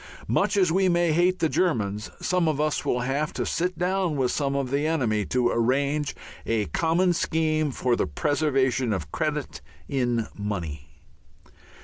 Much as we may hate the Germans, some of us will have to sit down with some of the enemy to arrange a common scheme for the preservation of credit in money.